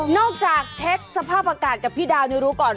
จากเช็คสภาพอากาศกับพี่ดาวนี่รู้ก่อน